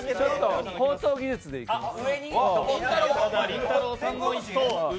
高等技術でいきます。